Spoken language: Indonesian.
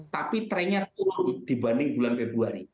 tapi trennya turun dibanding bulan februari